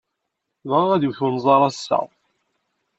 Bɣiɣ ad iwet unẓar ass-a.